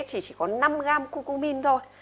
thì chỉ có năm gram cu cu min thôi